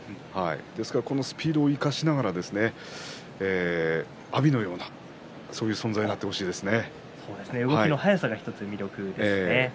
ですからスピードを生かしながら阿炎のようなそういう存在に動きの速さが魅力ですね。